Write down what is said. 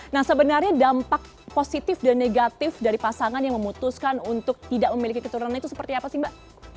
nah sebenarnya dampak positif dan negatif dari pasangan yang memutuskan untuk tidak memiliki keturunan itu seperti apa sih mbak